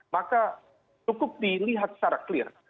maka cukup dilihat secara clear